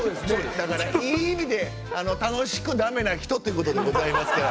だからいい意味で楽しくだめな人ってことでございますから。